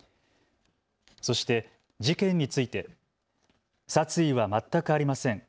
そして事件について殺意は全くありません。